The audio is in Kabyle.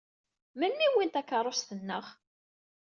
Melmi i wwin takeṛṛust-nneɣ?